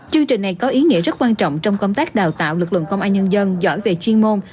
chương trình này có ý nghĩa rất quan trọng trong công tác đào tạo lực lượng công an nhân dân giỏi về chuyên môn